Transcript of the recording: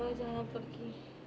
ma jangan pergi